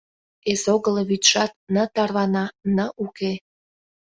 Эсогыл вӱдшат ны тарвана, ны уке...